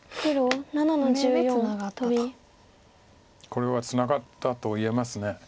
これはツナがったと言えます。